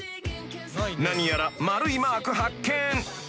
［何やら丸いマーク発見。